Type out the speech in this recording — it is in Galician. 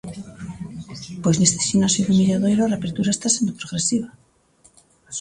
Pois neste ximnasio do Milladoiro a reapertura está sendo progresiva.